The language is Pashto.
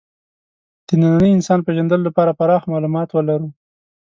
د ننني انسان پېژندلو لپاره پراخ معلومات ولرو.